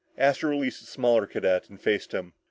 Astro released the smaller cadet and faced him.